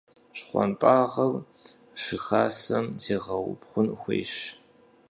ЩхъуантӀагъэр щыхасэхэм зегъэубгъун хуейщ.